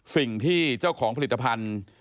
สิ่งที่เจ้าของผลิตภัณฑ์